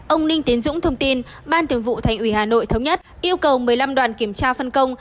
ông đinh tiến dũng thông tin ban thường vụ thành ủy hà nội thống nhất yêu cầu một mươi năm đoàn kiểm tra phân công